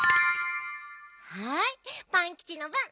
はいパンキチのぶん！